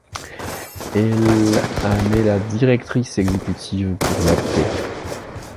Elle en est la directrice exécutive pour la paix.